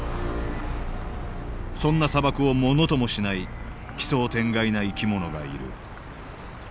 そんな砂漠をものともしない奇想天外な生き物がいる。